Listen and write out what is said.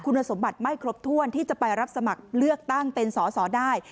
คุณสมบัติไม่ครบถ้วนที่จะไปรับสมัครเลือกตั้งเป็นสอสอได้